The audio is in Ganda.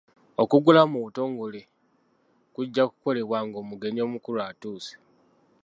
Okuggulawo mu butongole kujja kukolebwa ng'omugenyi omukulu atuuse.